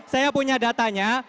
saya punya datanya